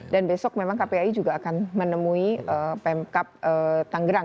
dan besok memang kpai juga akan menemui pemkap tangerang